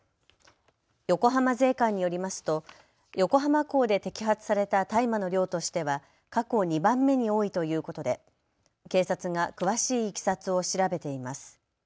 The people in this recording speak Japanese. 横浜税関によりますと横浜港で摘発された大麻の量としては過去２番目に多いということで警察が詳しいいきさつを調べています。